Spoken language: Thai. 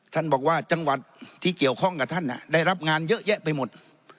ท่านบอกว่าจังหวัดที่เกี่ยวข้องกับท่านได้รับงานเยอะแยะไปหมด